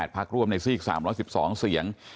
พักร่วมในซีก๓๑๒เสียง